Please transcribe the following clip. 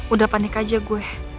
udah panik aja gue